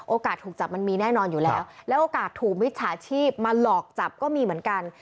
ถูกจับมันมีแน่นอนอยู่แล้วแล้วโอกาสถูกมิจฉาชีพมาหลอกจับก็มีเหมือนกัน